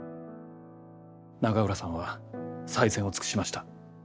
永浦さんは最善を尽くしました。